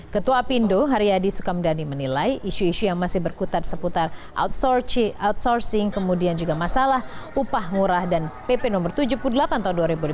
ketua apindo haryadi sukamdhani menilai isu isu yang masih berkutat seputar outsourcing kemudian juga masalah upah murah dan pp no tujuh puluh delapan tahun dua ribu lima belas